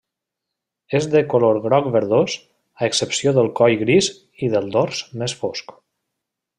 És de color groc-verdós, a excepció del coll gris i el dors més fosc.